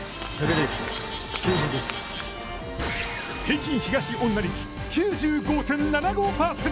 平均東恩納率、９５．７５％。